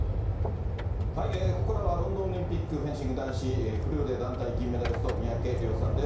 ここからはロンドンオリンピックフェンシング男子フルーレ団体銀メダリスト、三宅諒さんです。